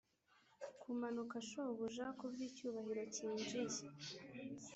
kumanuka, shobuja, kubwicyubahiro cyinjiye.